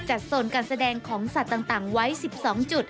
โซนการแสดงของสัตว์ต่างไว้๑๒จุด